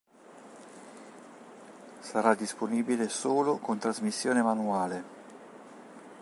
Sarà disponibile solo con trasmissione manuale.